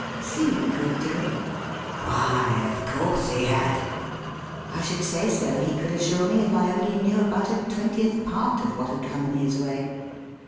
Seen a good deal? Why, of course he had. I should say so, he could assure me, if I only knew about a twentieth part of what had come in his way.